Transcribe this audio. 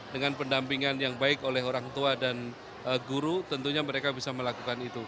dengan pendampingan yang baik oleh orang tua dan guru tentunya mereka bisa melakukan itu